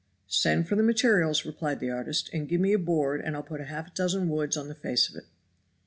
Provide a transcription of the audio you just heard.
"Send for the materials," replied the artist, "and give me a board and I'll put half a dozen woods on the face of it."